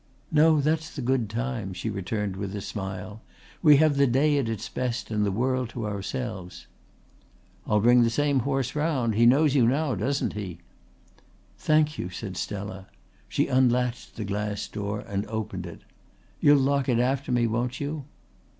"No, that's the good time," she returned with a smile. "We have the day at its best and the world to ourselves." "I'll bring the same horse round. He knows you now, doesn't he?" "Thank you," said Stella. She unlatched the glass door and opened it. "You'll lock it after me, won't you?"